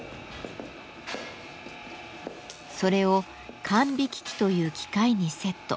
それを管引機という機械にセット。